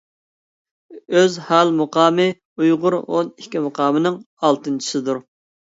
ئۆزھال مۇقامى ئۇيغۇر ئون ئىككى مۇقامىنىڭ ئالتىنچىسىدۇر.